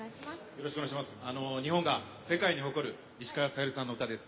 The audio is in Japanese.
日本が世界に誇る石川さゆりさんの歌です。